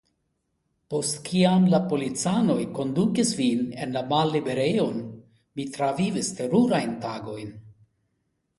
Post kiam la policanoj kondukis vin en la malliberejon, mi travivis terurajn tagojn.